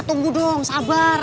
tunggu dong sabar